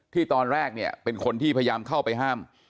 ตอนแรกเนี่ยเป็นคนที่พยายามเข้าไปห้าม